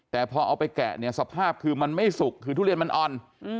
แต่พอเอาไปแกะเนี่ยสภาพคือมันไม่สุกคือทุเรียนมันอ่อน